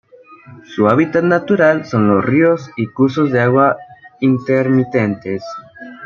Su hábitat natural son los ríos y cursos de agua intermitentes.